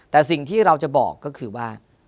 แต่สิ่งที่เราจะบอกก็คือว่า